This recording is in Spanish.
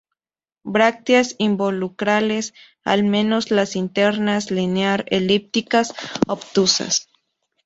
Brácteas involucrales, al menos las internas, linear-elípticas, obtusas.